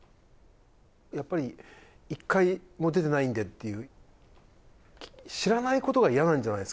やっぱり１回も出てないんでっていう。